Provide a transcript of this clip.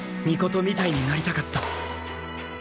尊みたいになりたかった